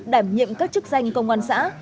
đảm nhiệm các chức danh công an xã